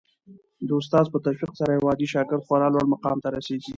د استاد په تشویق سره یو عادي شاګرد خورا لوړ مقام ته رسېږي.